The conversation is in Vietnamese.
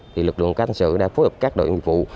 thì lực lượng cán sự đã phối hợp các đội ủng vụ